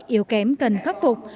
yếu kém cần khắc phục